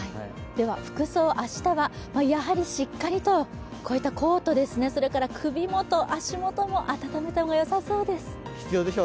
服装、明日は、やはりしっかりとこういったコート、それから首元、足元も温めた方が良さそうです。